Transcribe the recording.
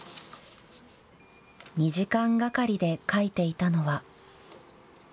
２時間がかりで書いていたのは。